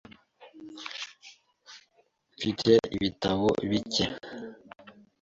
Mfite ibitabo bike .